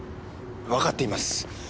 わかっています。